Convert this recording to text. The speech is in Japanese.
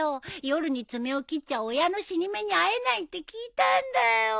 夜に爪を切っちゃ親の死に目に会えないって聞いたんだよ。